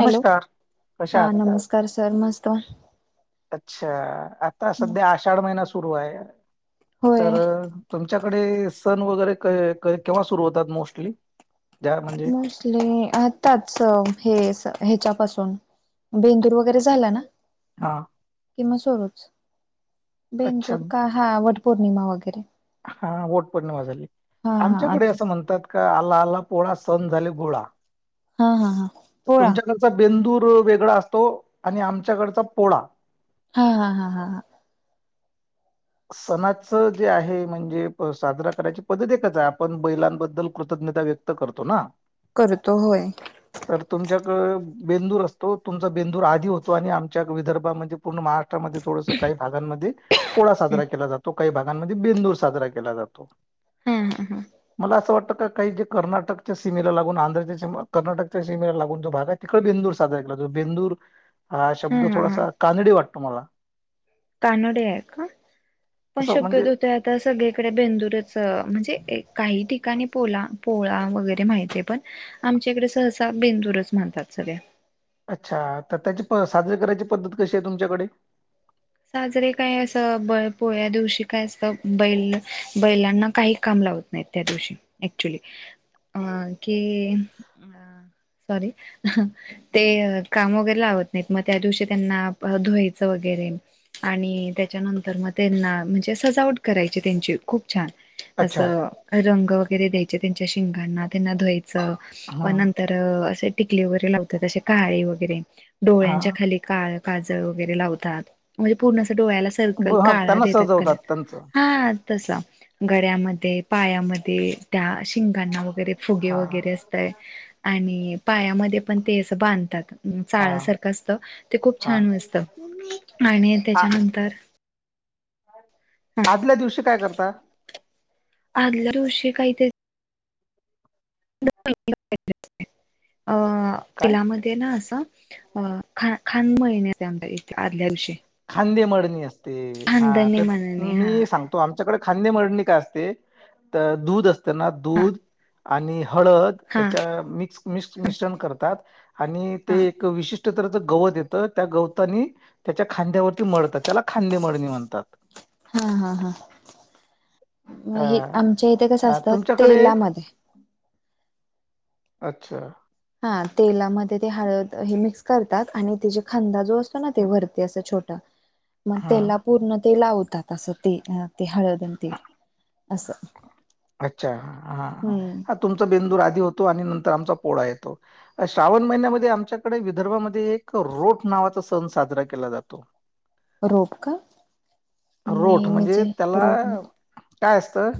Hello कशा हा आहात? नमस्कार सर मस्त अच्छ अच्छा, आता सध्या आषाढ महिना सुरु आहे तर होय तुम तुमच्याकडे, सण वगैरे क केव्हा सुरू होतात मोस्टली? ज्या म्हणजे मोस्टली आताच हे ह्याच्या पासून, बेंदूर वगैरे झाला ना हा. किंवा सुरूच, अच्छा बेंदूर का हा वटपौर्णिमा वगैरे हा वोट पौर्णिमा झाली हा हा आमच्याकडे आता असं म्हणतात. आला आला पोळा सण झाले गोळा हा हा हा तर पोळा तुमच्याकडचा बेंदूर वेगळा असतो आणि आमच्याकडचा पोळा हा हा हा हा हा. सणाच जे आहे म्हणजे साजरा करायची पद्धत एकच आहे आपण बैलांबद्दल कृत ज्ञता व्यक्त करतो ना करतो होय तर तुमच्याकड बेंदूर असतो तुमचा बेंदूर आधी होतो आणि आमच्या विदर्भामध्ये पूर्ण महाराष्ट्रामध्ये थोडंसं काही भागांमध्ये पोळा साजरा केला जातो, काही भागांमध्ये बेंदूर साजरा केला जातो. हा हा हा मला असं वाटत काही जे कर्नाटकच्या सीमेला लागून आंध्रच्या सिमे कर्नाटकच्या सीमेला लागून जो भाग आहे तिकडं बेंदूर साजरा केला बेंदूर, हा शब्द थोडासा कानडी वाटतो मला. कानडी आहे. का? पण असं म्हणजे शक्यतो ते आता सगळीकडे बेंदुरच अ म्हणजे एक काही ठिकाणी पोला पोळा वगैरे माहितीे आहे पण, आमच्याकडे सहसा बेंदूरच म्हणतात. सगळ्या अच्छा, तर त्याची प साजरी करायची पद्धत कशी आहे तुमच्याकडे? साजरी काय असं ब पोळ्या दिवशी काय असतं, बैल बैलांना काही काम लावत नाहीत त्या दिवशी ऍक्च्युली अ की अ सॉरी, ते काम वगैरे लावत नाहीत मग त्या दिवशी त्यांना धुवायचं वगैरे आणि त्याच्यानंतर मग त्यांना म्हणजे सजावट करायची त्यांची खूप छान अच्छा असं रंग वगैरे द्यायचे त्यांच्या शिंगांना त्यांना धुवाय च व हा नंतर असे टिकली वगैरे लावतात असे काळे वगैरे हा डोळ्यांच्या खाली काळं काजळ वगैरे लावतात म्हणजे पूर्ण डोळ्याला सर्कल ब- हा काळा त्यांना देतात कलर, सजवतात त्यांचं हा तसा गळ्यामध्ये, पायामध्ये त्या शिंगांणा वगैरे फुगे हा वगैरे असतंय आणि पायामध्ये पण ते असं बांधतात. हा चाळ सारखं असतं ते खूप हा छान असतं, आणि आ- त्याच्यानंतर ह आदल्या दिवशी काय करता? आदल्या दिवशी काही ते [unintelligible] अ काय तिला मध्ये ना असं अ खान खान महिन्या आम आदल्या दिवशी खांदे मळणी असते, हा खानदानी तर म्हणणे हा. मी सांगतो आमच्याकडे खांदे मळणी काय असते, तर दूध असत ना हा दूध आणि हळद हा हा याच्या मिक्स मिक्स मिश्रण करतात आणि हा. ते एक विशिष् कुठंतर त, गवत येतं त्या गवतानी त्याच्या खांद्यावरती मळतात त्याला खांदे मळणी म्हणतात हा हा अ हे आमच्या इथे कसं अ, असतं तुमच्याकडे तेलामध्ये अच्छा हा तेलामध्ये ते हळ हे मिक्स करतात आणि त्या खदा जो असतो ना ते वरती असं छोटा मग हा त्याला पूर्ण ते लावतात असं ते ते हळदतील असं अच्छा हा हम्म हाा तुमच बिंदू होतो आणि नंतर आमचा पोळा येतो श्रावण महिन्यामध्ये आमच्याकडे विदर्भमध्ये एक रो खूप नावाचा सण साजरा केला जातो रोपका रोठ म्हणजे त्याला काय असतं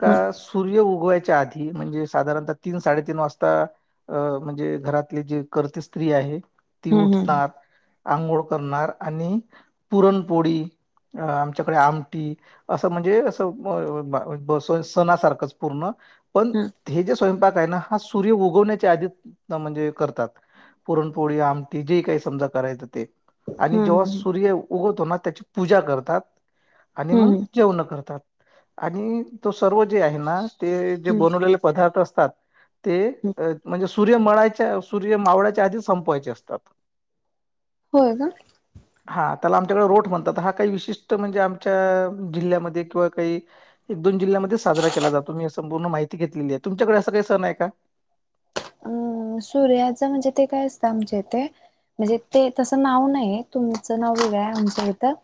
का सूर्य उग आध म्हणजे साधारणतः तीन साडेतीन वाजता म्हणजे घरातले जे करर्ते स्त्री आहे ती हम्म उठणार आंघोळ करणार आणि पुरणपोळी अ आमच्याकडे आमटी असं म्हणजे असं सणासारखंच पूर्ण पण, हम्म हे जे स्वयंपाक आहे ना हा सूर्य उगवण्याच्या आधी त म्हणजे करतात. पुरणपोळी, आमटी जे काही समजा करायचं ते. आणि हम्म जेव्हा हम्म सूर्य उगवतो ना त्याची पूजा करतात. आणि मग हम्म जेवण करतात, आणि तो सर्व जे आहे ना ते जे हम्म बनवलेले पदार्थ असतात, ते हम्म म्हणजे सूर्य मळाच्या सूर्य मावळायाच्या आधी संपवायचे असतात. होय का? हा त्याला आमच्याकडे रोट म्हणतात, हा काही विशिष म्हणजे आमच्या जिल्ह्यामध्ये किंवा काही एक दोन जिल्ह्यामध्ये साजरा केला जातो मूण माहि घेतलेली आहे तुमच्याकडे अस काही सण आहे का अ सूर्याचं म्हणजे ते काय असतं आमच्या ते म्हणजे ते तसं नाव नाही तुमचं नाव वेगळं आहे आमच्या इथं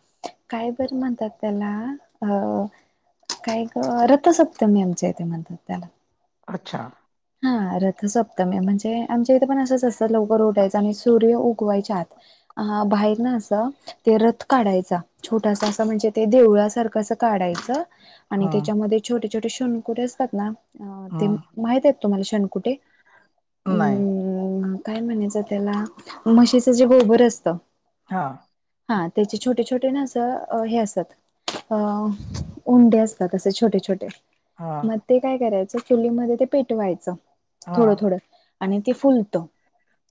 काय बर म्हणतात त्याला अ काय रथसप्तमी आमच्या इथे म्हणतात त्याला अच्छा रथ सप्तमी म्हणजे आमच्या इथे पण असंच असतं लवकर रोडायच आणि सूर्य उगवायच्या आत बाहेर ना असं ते रथ काढायचा छोटासा असं म्हणजे ते देवळासारखं अस काढायचं आणि हम्म त्याच्यामध्ये छोटे छोटे शोणकुरी असतात ना ते हम्म माहित आहेत तुम्हाला शेणकुठे नाही काय म्हणायचं त्याला म्हशीचं जे गोबर असत हा हा त्याचे छोटे छोटे नां हे असत अ उंडे असतात तसे छोटे छोटे हा मग ते काय करायचं चुलीमध्ये ते पेटवायचं हा थोडं थोडं आणि ते फुलत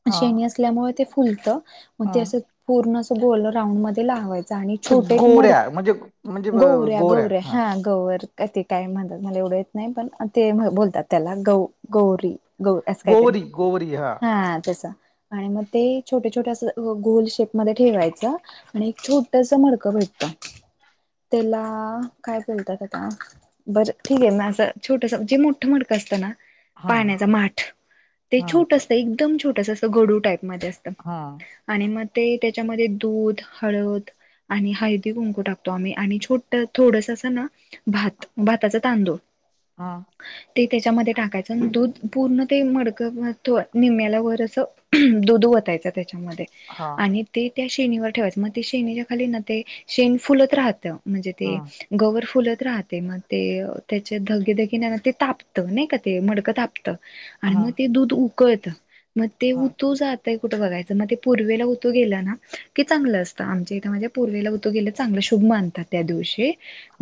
हा शेणी असल्यामुळे ते फुलतं मग ते हा असं पूर्ण अस गोल रांड मध्ये लावायच आणि ते छोटे एक मड गोऱ्या म्हणजे म्हणजे ब गौऱ्या गोऱ्या गौऱ्या हा गवर कती कााईम म्हणतात मला एवढं येत नाही पण ते बोलतात त्याला गौ गौरी गौ असं काहीतरी गोवरी गोवरी हा त्यास आणि मग ते छोटे छोट्या अस गोल शेप मध्ये ठेवायचा आणि एक छोटस मडकं भेट [inaudible] त्याला काय बोलतात आता बरं ठीक आहे म असं छोटस जे मोठं मडकं असतं ना हा पाण्याचा माठ ते हा छोटस एकदम छोटस असं गडू टाईप असत हां, आणि मग ते त्याच्यामध्ये दूध हळद आणि हळदी कुंकू टाकतो आम्ही आणि छोट थोडस असं ना भात भाताचा तांदूळ हा ते त्याच्यामध्ये टाकायचं अन् दूध पूर्ण ते मडकं निम्याला वर असं दूध वतायचं. त्याच्यामध्ये हां, आणि ते त्या शेणीवर ठेवायचं मग ते शेणीच्या खाली ना ते शेणी फुलत राहतं. म्हणजे ते हां, गवर फुलत राहते मग ते त्याचे धगीधगी ते तापत नाही का? म ते मडकं तापत आणि मग हां, ते दूध उकळत मग ते हां, उतू जातय. होत बगा याचं म ते पूर्वेला ऊतू गेल ना की चांगल असत आमचाईत पूर्वेला उतू गेलंल चांगल शो.. मानतात त्या दिवशी.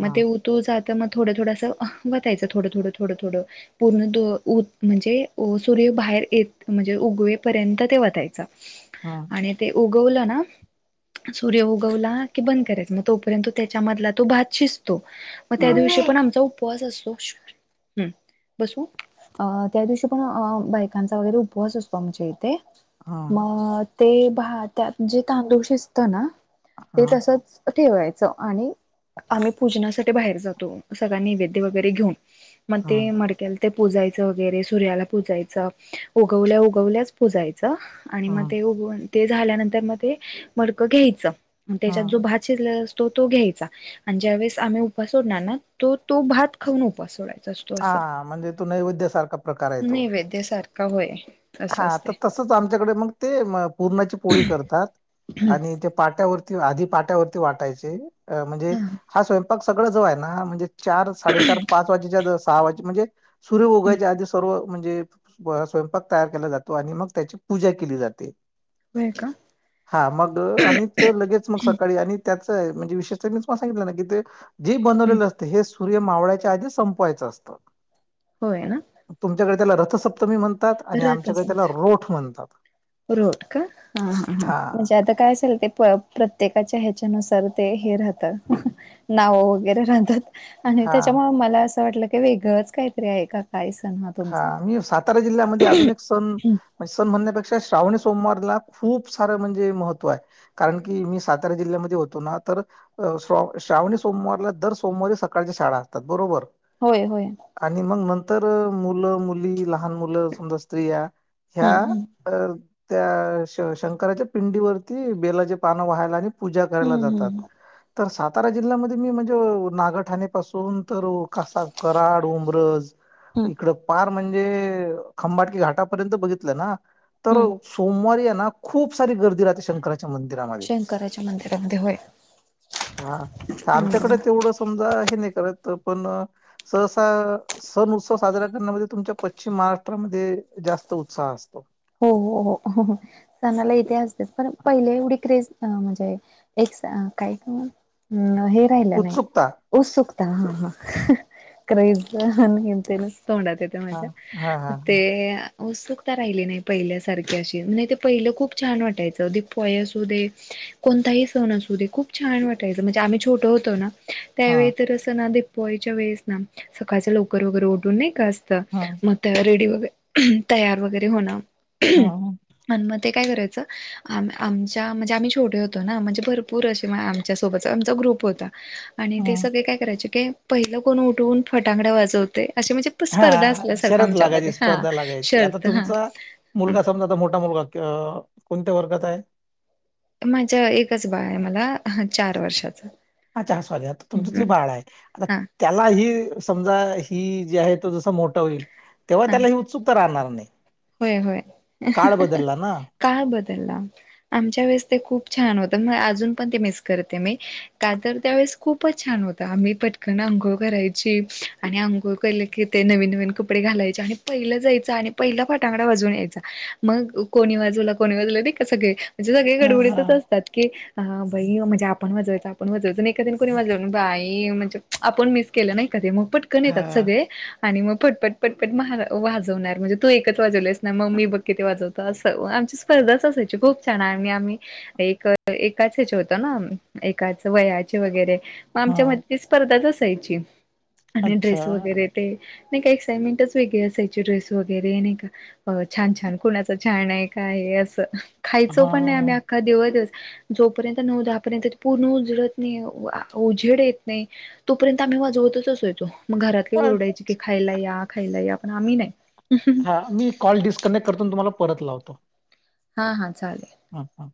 मग ते उतू जातं मग थोडं थोडं असं आह वतायचं थोडं थोडं थोडं थोडं. पूर्ण त उह म्हणजे सूर्य बाहेर येत म्हणजे उगवेपर्यंत ते वतायचं. हां, आणि ते उगवलं ना. सूर्य उगवला की बंद करायच मग तोपर्यंत त्याच्यामधला तो भात शिजतो. मग त्या हां, दिवशी पण आमचा उपवास असतो क्षु हम्म बसू अ त्या दिवशी पण बायकांचा वगैरे उपवास असतो आमच्या इथे हां, मग ते भा तभात त्यात तांदुळ शिजत ना जे तांदअसत ना ते हां, तसच फत.. ठेवायचं आणि आम्ही पूजनासाठी बाहेर जातो सगळ नैवेद्य वगैरे घेऊन म हां, मड ते पुजायचं वगैरे सूर्याला पुजायचं उगवल्या उगवल्याच पुजायचं चअ आणि मग हां, ते उगुन ते झाल्यानंतर मग ते मडकं घ्यायचं त्याच्यात हां. जो भाजी असतो. तो तो घ्यायचा आणि ज्या वेळे आम्ही उपासोडणार ना तो तो भात खाऊन उपास सोडायचा. असतो हा असं म ते तो नैवेद्यासारखा प्रकार आहे तो. नैवेद्य सारखा होय. असं हा असते तर तसच आमच्याकडे मग ते पुरणाची पोळी करतात. ह आणि ते पाट्यावरती आधी पाट्यावरती वाटायचे. म्हणजे हा स्वयंपाक सगळंच जो आहेना ना म्हणजे चार साडेचार पाच वाजेच्या सहा वाजे म्हणजे सूर्य उगवायच्या आधी सर्व म्हणजे पुरा स्वयंपाक तयार केला जातो आणि मग त्याची पूजा केली जाते. होय का हा मग आणि तर लगेच च मग सकाळी आणि त्याच म्हणजे विशेष मी पास्ट सांगितलं ना की ते जे बनवलेलं असते हे सूर्य मावळ्याच्या आधीच संपवायचं असतं. होय ना तुमच्याकडे त्याला रथसप्तमी म्हणतात आणि रथ आमच्याकडे असं त्याला रोठ म्हणतात. रोट का अहा हा ह म्हणजे हा. आता काय संदीप प प्रत्येकाच्या ह्याच्यानुसार ते हे राहतात नाव वगैरे राहतात. आणि हा त्याच्यामुळे मला असं वाटलं की वेगळंच काहीतरी आहे का? काय सण हा तुमचा मी सातारा जिल्ह्यामध्ये अजून एक सण सण म्हणण्यापेक्षा श्रावणी सु सोमवारला खूप सार म्हणजे महत्त्व आहे कारण की मी सातारा जिल्ह्यामध्ये होतो ना तर अ अ श्र श्रावणी सोमवारला दर सोमवारी सकाळच्या शाळा असतात बरोबर. होय होय. तर मुलं मुली लहान मुलं समजा स्त्रिया ह्या हम्म हम्म अ त्या श शंकराच्या पिंडीवरती बेलाचे पानं व्हायला आणि पूजा द्यायला हम्म जातात. हम्म तर सातारा जिल्ह्यामध्ये मी म्हणजे नागरठाणेपासून तर कसा कराड, उंब्रज. हम्म इकड फार म्हणजे खंबाटकी घाटापर्यंत बघितलं ना तर हम्म सोमवारी ना खूप सारी गर्दी राहते शंकराती. शंकराच्या मंदिरात ते होय. अ हा तर हम्म आमच्याकडे तेवढं समजाय. मित्र त पण ससा सनु सा व साजरा करण्यामध्ये तुमच्या पश्चिम महाराष्ट्रामध्ये जास्त उत्साह असतो. हो हो हो हो सणाला इथे असते पण पहिले एवढी क्रेज म्हणजे. काही का्. हे राहिलं नाही उत्सुकता उत्सुकता ह ह क. तोंडात येत हा माझ्या हा हा ते उत्सुकता राहिली नाही. पहिल्या सारख अ म्ह पहिलं खूप छान वाटायच अग पय असू दे कोणताही सण अस. त खू छान वाटायच म्हणजे आम्ही छोट होतो ना. हा त्यावेळी तर असं ना ते पवायच्या वेळेस ना सकाळच्या लवकर वगैरे ओढून नाही का असत. हा मग त्या रेडी वग तयार वगैरे होण. हम. ते काय करायचं आमच्या म्हणजे आम्ही छोटे होतो ना म्हणजे भरपूर असे आमच्या सोबत आम. ग्रुप होता आणि हा ते सगळे काय करायचे क पहिलं कोण उठवून फटांगडा वाजवते. अशी म्हणजे स्पर्धा हा असल्यासारखं शरद आमच्यामध्ये लागायची हा स्पर्धा लागायची आता शर्त हा. तुमचा हं. मुलगा समजा आ मोठा मुलगा कोणत्या वर्गात आहे. माझ्या एकच बाळ आहे मला चार वर्षाचा अ्छ ह स्वाले आ तुमचं जे बाळ आहे आता हा त्याला ह. समजा ही जी आहे तो जस मोठा होईल तेव्हा हा त्याला ही उत्सुकता राहणार नाही. होय होय. काळ बदलला ना काय बदलला आमच्या वेळेस ते खूप छान होत. अजून पण मिस करते मी तर त्यावेळेस खूपच छान होत आमही पटकन अंघोळ करायची आणि अंंगो क की ते नवीन नवीन कपडे घालायचे आणि पहिलं जायचं आणि पहिट. ांगडा वाजवून यायचा मग कोणी वाजवला कोणी वाजवलं नाही का सगळे. म्हणजे सगळे हा हा गडबडीतच असतात की. हा भाई म्हणजे आपण वाजवायचं आपण वाजवायचो आणि एखकादन कोून वाजवून बाई म्हणजे आपण मिस केलं नाही. मग पटकन येतात हा सगळे आणि मग पटपट पटपट वाजवणार म्हणजे तू एकच. वाजव ना मम्मी बघ कि ते वाजवत अस आमची स्पर्धाच असायची खूप छ आणि आमही एक. एकाचच होतं ना एकाच वयाचे वगैरे. मग आमच्या म हां, स्पर्धाच असायची आणि अच्छा. ड्रेस वगैरे ते. नाही का एक्साइटमेंटच वेगळी असायची ड्रेस वगैरे नाही का. अ छान छान कुणाच छान आहे का आहे असं खायचं पण नाही आम्ही हां. अख्खा देव देव. जोपर्यंत नऊ दपर्यंत पूर्ण उजडत नाही उझेड येत नाही तोपर्यंत आ. ्ही वाजवतच असोयतो मग घरात काही अ- रडायची की खायला या खायला या पण आम्ही नाही. हा मी कॉल डिस्कनेक्ट करतून तुम्हाला परत लावतो. हा हा. चालेल हम्छा.